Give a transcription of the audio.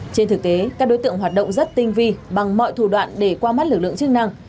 trên thực tế các đối tượng hoạt động rất tinh vi bằng mọi thủ đoạn để qua mắt lực lượng chức năng